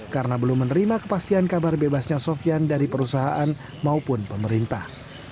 karena belum menerima kepastian kabar bebasnya sofian dari perusahaan maupun pemerintah